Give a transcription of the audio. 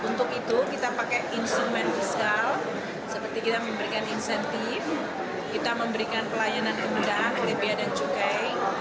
untuk itu kita pakai instrumen fiskal seperti kita memberikan insentif kita memberikan pelayanan kemudahan oleh biaya dan cukai